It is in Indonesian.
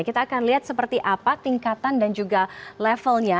kita akan lihat seperti apa tingkatan dan juga levelnya